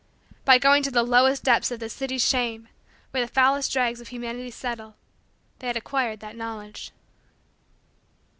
By going to the lowest depths of the city's shame, where the foulest dregs of humanity settle, they had acquired that knowledge.